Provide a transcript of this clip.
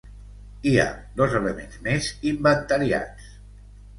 Hi ha dos elements més inventariats.